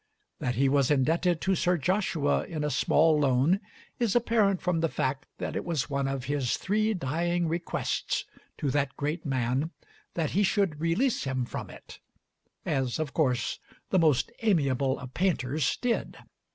That he was indebted to Sir Joshua in a small loan is apparent from the fact that it was one of his three dying requests to that great man that he should release him from it, as, of course, the most amiable of painters did.